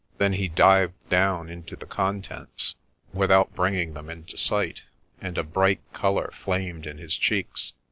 Then he dived down into the contents, without bringing them into sight, and a bright colour flamed in his cheeks.